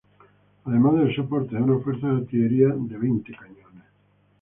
Además del soporte de una fuerza de artillería de veinte cañones.